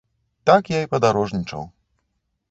Так я і падарожнічаў.